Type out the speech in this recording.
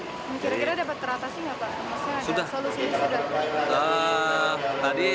kira kira dapat teratasi nggak pak